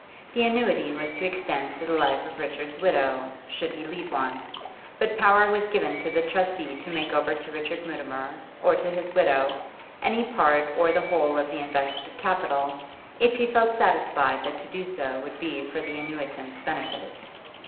The annuity was to extend to the life of Richard's widow, should he leave one; but power was given to the trustee to make over to Richard Mutimer, or to his widow, any part or the whole of the invested capital, if he felt satisfied that to do so would be for the annuitant's benefit.